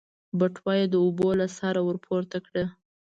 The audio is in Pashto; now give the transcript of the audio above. بټوه يې د اوبو له سره ورپورته کړه.